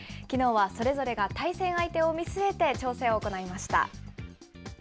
きのうはそれぞれが対戦相手を見据えて調整を行いました。